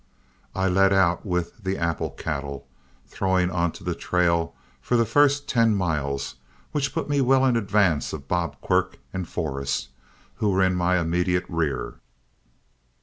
I led out with "The Apple" cattle, throwing onto the trail for the first ten miles, which put me well in advance of Bob Quirk and Forrest, who were in my immediate rear.